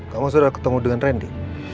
kamu sudah ketemu dengan randy